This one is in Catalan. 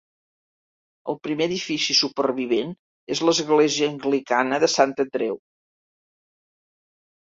El primer edifici supervivent és l'església anglicana de Sant Andreu.